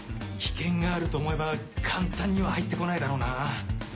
危険があると思えば簡単には入って来ないだろうな。